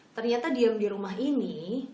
ternyata diam di rumah ini